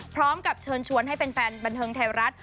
พร้อมกับเชิญชวนให้แฟนบันเทิงไทยรัฐ